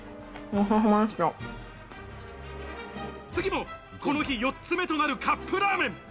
次も、この日４つ目となるカップラーメン。